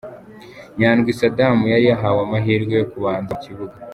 Nyandwi Saddam yari yahawe amahirwe yo kubanza mu kibuga.